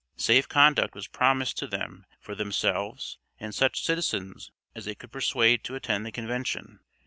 Safe conduct was promised to them for themselves and such citizens as they could persuade to attend the convention.